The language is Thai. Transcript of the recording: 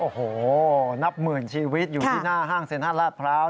โอ้โหนับหมื่นชีวิตอยู่ที่หน้าห้างเซ็นทรัลลาดพร้าว